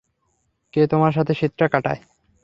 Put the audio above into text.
কে তোমার সাথে শীতটা কাটায়?